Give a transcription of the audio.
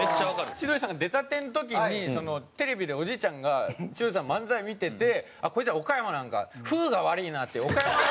千鳥さんが出たての時にテレビでおじいちゃんが千鳥さんの漫才を見てて「こいつら岡山なんか。風が悪いな」って岡山弁。